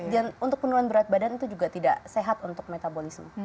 dan untuk penurunan berat badan itu juga tidak sehat untuk metabolisme